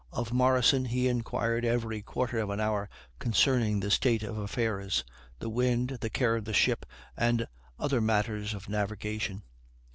Of Morrison he inquired every quarter of an hour concerning the state of affairs: the wind, the care of the ship, and other matters of navigation.